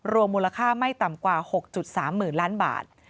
มูลค่าไม่ต่ำกว่า๖๓๐๐๐ล้านบาท